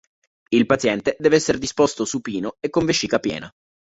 Il paziente deve essere disposto supino e con vescica piena.